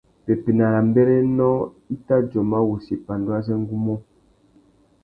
Pepena râ mbérénô i tà djôma wussi pandú azê ngu mú.